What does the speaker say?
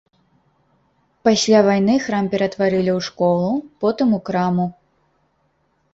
Пасля вайны храм ператварылі ў школу, потым у краму.